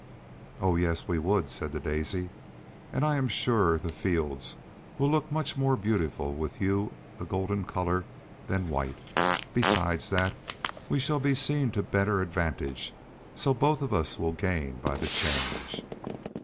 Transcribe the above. "Oh yes, we would," said the Daisy, "and I am sure the fields will look much more beautiful with you a golden color than white; besides that, we shall be seen to better advantage; so both of us will gain by the change."